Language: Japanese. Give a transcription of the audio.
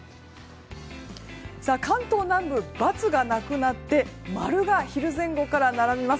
関東南部、×がなくなって〇が昼前後から並びます。